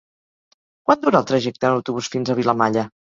Quant dura el trajecte en autobús fins a Vilamalla?